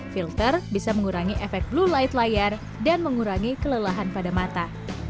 filter bisa mengurangi efek blue light layar dan mengurangi kelelahan pada mata